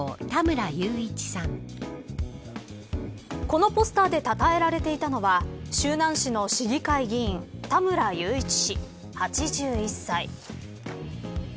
このポスターでたたえられていたのは周南市の市議会議員田村勇一氏、８１歳。